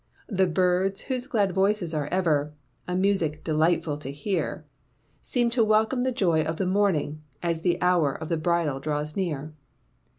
The birds, whose glad voices are ever A music delightful to hear, Seem to welcome the joy of the morning, As the hour of the bridal draws near.